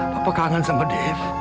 papa kangen sama dev